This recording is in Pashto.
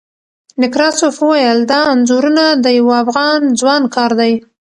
نکراسوف وویل، دا انځورونه د یوه افغان ځوان کار دی.